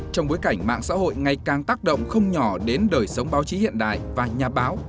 trong bối cảnh mạng xã hội ngày càng tác động không nhỏ đến đời sống báo chí hiện đại và nhà báo